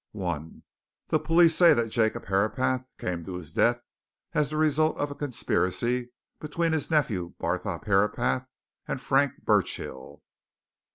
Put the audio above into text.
"1. The police say that Jacob Herapath came to his death as the result of a conspiracy between his nephew Barthorpe Herapath and Frank Burchill.